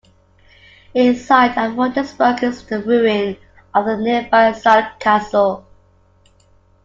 In sight of the Rudelsburg is the ruin of the nearby Saaleck Castle.